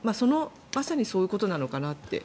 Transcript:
まさにそういうことなのかなって。